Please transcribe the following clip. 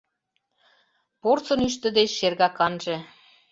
Порсын ӱштӧ деч шергаканже